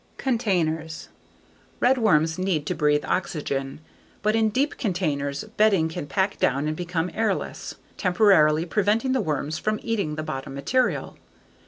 Containers Redworms need to breathe oxygen, but in deep containers bedding can pack down and become airless, temporarily preventing the worms from eating the bottom material.